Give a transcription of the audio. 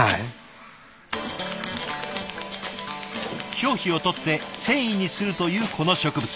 表皮を取って繊維にするというこの植物。